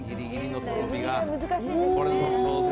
難しいんですよね。